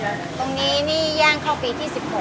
ตรงนี้นี่ย่างเข้าปีที่๑๖